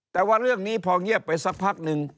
แต่ว่าเรื่องนี้พอเงียบไปสักพักนึง